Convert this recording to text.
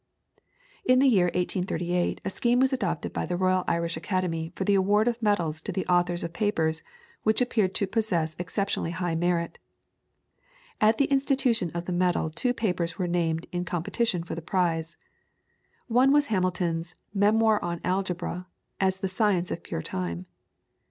In the year 1838 a scheme was adopted by the Royal Irish Academy for the award of medals to the authors of papers which appeared to possess exceptionally high merit. At the institution of the medal two papers were named in competition for the prize. One was Hamilton's "Memoir on Algebra, as the Science of Pure Time."